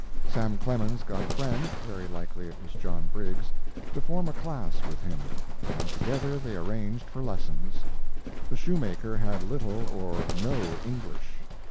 Sam Clemens got a friend very likely it was John Briggs to form a class with him, and together they arranged for lessons. The shoemaker had little or no English.